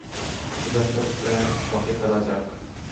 চলো একটা প্ল্যান ছকে ফেলা যাক।